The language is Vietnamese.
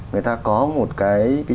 người ta có một cái